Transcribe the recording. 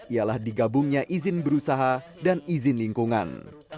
ialah digabungnya izin berusaha dan izin lingkungan